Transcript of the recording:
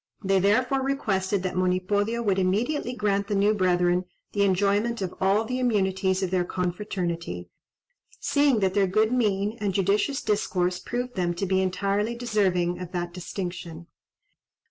They therefore requested that Monipodio would immediately grant the new brethren the enjoyment of all the immunities of their confraternity, seeing that their good mien and judicious discourse proved them to be entirely deserving of that distinction.